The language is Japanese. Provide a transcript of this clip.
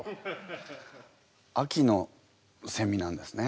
秋のせみなんですね。